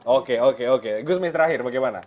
oke oke oke gusmis terakhir bagaimana